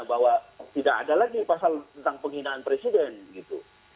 bahwa tidak ada lagi pasal tentang penghinaan presiden gitu